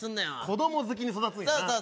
子供好きに育つんやな